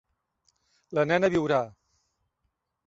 La nena viurà.